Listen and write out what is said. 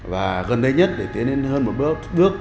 và gần đây nhất để tiến lên hơn một bước